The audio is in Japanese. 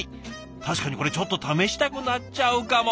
確かにこれちょっと試したくなっちゃうかも！